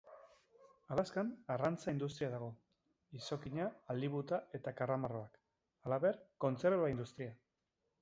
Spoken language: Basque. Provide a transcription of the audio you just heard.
Alaskan arrantza industria dago: izokina, halibuta eta karramarroak; halaber, kontserba industria.